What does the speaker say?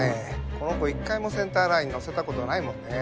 この子一回もセンターラインに乗せたことないもんねぇ。